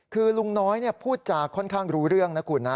คือลุงน้อยพูดจาค่อนข้างรู้เรื่องนะคุณนะ